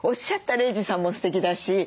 玲児さんもすてきだし。